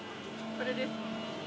これです。